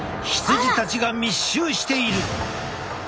羊たちが密集している。